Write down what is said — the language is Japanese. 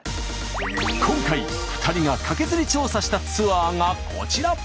今回２人がカケズリ調査したツアーがこちら！